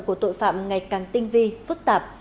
của tội phạm ngày càng tinh vi phức tạp